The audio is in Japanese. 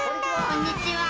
こんにちは！